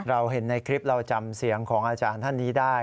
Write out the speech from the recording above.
เราเห็นในคลิปเราจำเสียงของอาจารย์ท่านนี้ได้